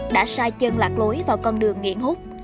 đã sai chân lạc lối vào con đường nghiện hút